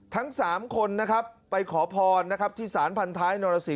ทั้ง๓คนนะครับไปขอพรที่สารพันท้ายนรสห๐๓๑